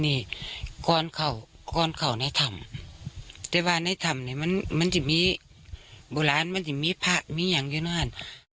นี่ก้อนเขานายทำนายทำมันจะมีบุราณมันจะมีผ้ามีอย่างอยู่นั่น